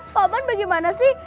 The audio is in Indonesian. pak man bagaimana sih